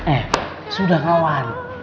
eh sudah kawan